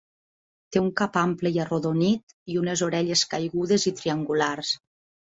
Té un cap ample i arrodonit i unes orelles caigudes i triangulars.